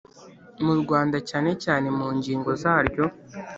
mu Rwanda cyane cyane mu ngingo zaryo